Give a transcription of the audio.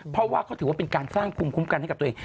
เพราะว่าเขาถือว่าเป็นการสร้างภูมิคุ้มกันให้กับตัวเอง